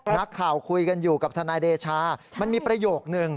นักข่าวคุยกันอยู่กับทนายเดชามันมีประโยคนึง